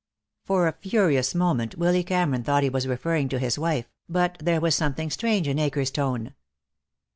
For a furious moment Willy Cameron thought he was referring to his wife, but there was something strange in Akers' tone.